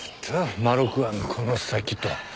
「まろく庵この先」と。